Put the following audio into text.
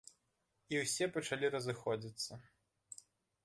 І ўсе пачалі разыходзіцца.